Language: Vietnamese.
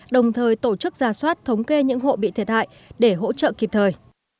đồng thời tổ chức ra soát thống kê những hộ bị thiệt hại để hỗ trợ kịp thời